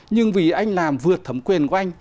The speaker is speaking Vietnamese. nhưng vì anh làm vượt thẩm quyền của anh